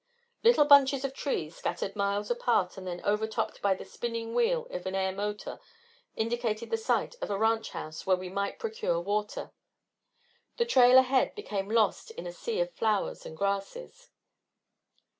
Little bunches of trees, scattered miles apart and then overtopped by the spinning wheel of an air motor, indicated the site of a ranch house where we might procure water. The trail ahead became lost in a sea of flowers and grasses.